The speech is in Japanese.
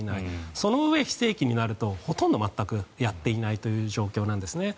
そのうえ、非正規になるとほとんど全くやっていない状況なんですね。